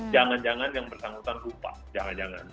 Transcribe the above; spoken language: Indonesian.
jangan jangan yang bersangkutan lupa jangan jangan